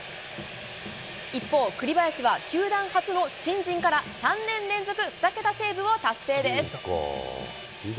一方、栗林は球団初の新人から３年連続２桁セーブを達成です。